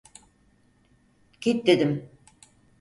Git dedim!